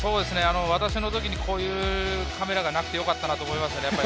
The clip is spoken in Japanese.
私の時にこういうカメラがなくてよかったなと思います。